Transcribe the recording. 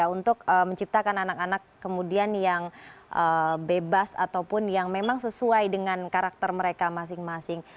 untuk menciptakan anak anak kemudian yang bebas ataupun yang memang sesuai dengan karakter mereka masing masing